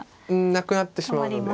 なくなってしまうので。